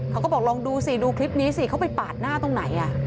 เขาก็บอกลองดูสิดูคลิปนี้สิเขาไปปาดหน้าตรงไหน